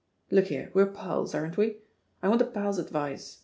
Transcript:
Look here, we're pals, aren't we? I want a pal's advice.